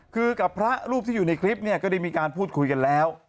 คือกับพระรูปที่อยู่ในคลิปเนี่ยก็ได้มีการพูดคุยกันแล้ว